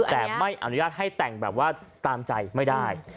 แต่ไม่อนุญาตให้แต่งแบบว่าตามใจไม่ได้